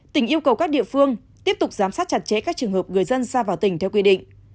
tỉnh yêu cầu các địa phương tiếp tục giám sát chặt chẽ các trường hợp người dân ra vào tỉnh theo quy định